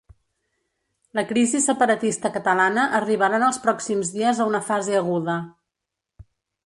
La crisi separatista catalana arribarà en els pròxims dies a una fase aguda.